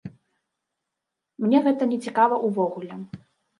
Мне гэта нецікава ўвогуле.